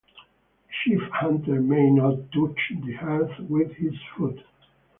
The chief hunter may not touch the earth with his foot.